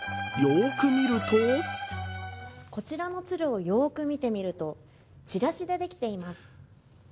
よーく見るとこちらの鶴をよーく見てみると、チラシでできています。